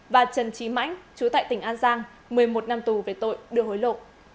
và trần trí mãnh chú tại tỉnh an giang một mươi một năm tù về tội đưa hối lộ